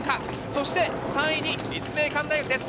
そして３位に立命館大学です。